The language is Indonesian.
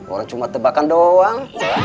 orang cuma tebakan doang